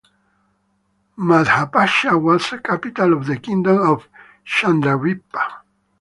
Madhabpasha was a capital of the kingdom of Chandradvipa.